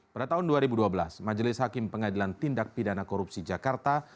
pada tahun dua ribu dua belas majelis hakim pengadilan tindak pidana korupsi jakarta